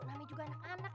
nami juga anak anak